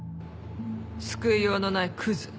救いようのないくず。